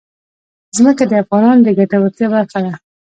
ځمکه د افغانانو د ګټورتیا برخه ده.